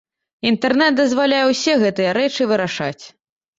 Інтэрнэт дазваляе ўсе гэтыя рэчы вырашаць.